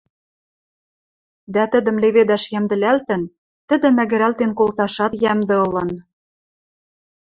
дӓ тӹдӹм леведӓш йӓмдӹлӓлтӹн, тӹдӹ мӓгӹрӓлтен колташат йӓмдӹ ылын.